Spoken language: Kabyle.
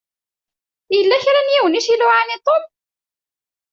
Yella kra n yiwen i s-iluɛan i Tom.